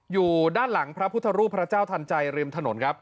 อยู่ด้านหลังพระพุทธรูปพระเจ้าทันใจริมถนนครับ